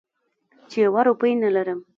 چې یوه روپۍ نه لرم.